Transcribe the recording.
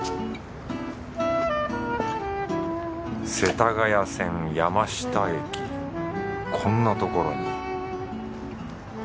世田谷線山下駅こんなところに